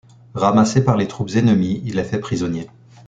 Ramassé par les troupes ennemies il est fait prisonnier.